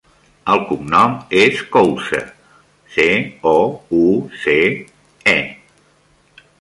El cognom és Couce: ce, o, u, ce, e.